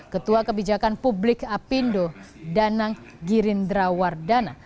ketua kebijakan publik apindo danang girindrawardana